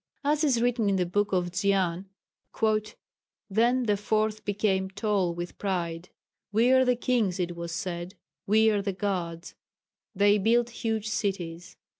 As is written in the Book of Dzyan, "Then the Fourth became tall with pride. We are the kings it was said; we are the Gods.... They built huge cities.